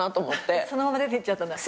そのまま出てっちゃったんだ。